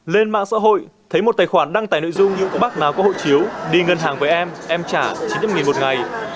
lên mạng xã hội thấy một tài khoản đăng tải nội dung như có bác nào có hộ chiếu đi ngân hàng với em em trả chín mươi năm một ngày